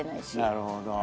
なるほど。